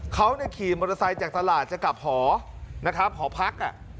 เขาขี่มอเตอร์ไซค์จากตลาดจะกลับหอนะครับหอพัก